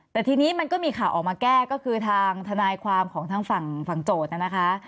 แต่ทีนี้มันก็มีข่าวออกมาแก้ก็คือทางทนายความของทางฝั่งโจทย์นะคะ